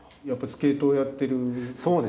やっぱりスケートをやってるから？